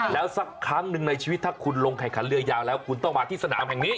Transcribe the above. แล้วสักครั้งหนึ่งในชีวิตถ้าคุณลงแข่งขันเรือยาวแล้วคุณต้องมาที่สนามแห่งนี้